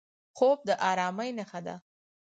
خوب د ارامۍ نښه ده